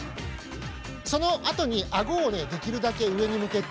そのあとにあごをねできるだけ上に向けて。